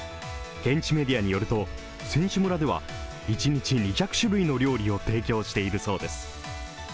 現地メディアによると、選手村では一日２００種類の料理を提供しているそうです。